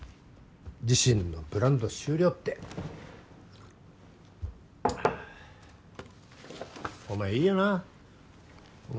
自身のブランド終了ってお前いいよなお前